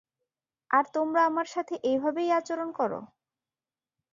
আর তোমরা আমার সাথে এভাবেই আচরণ কর।